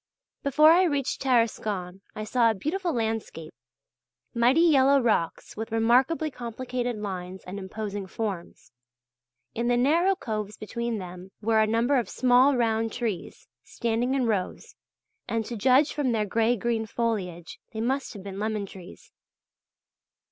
Before I reached Tarascon I saw a beautiful landscape: mighty yellow rocks with remarkably complicated lines and imposing forms; in the narrow coves between them there were a number of small round trees standing in rows, and to judge from their grey green foliage they must have been lemon trees.